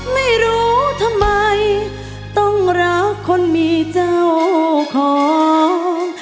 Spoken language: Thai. ไม่รู้ทำไมต้องรักคนมีเจ้าของ